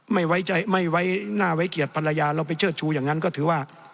ไม่ไว้ใจไม่ไว้หน้าไว้เกียรติภรรยาเราไปเชิดชูอย่างนั้นก็ถือว่า